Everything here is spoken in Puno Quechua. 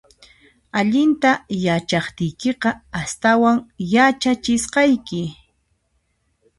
Allinta yachaqtiykiqa, astawan yachachisqayki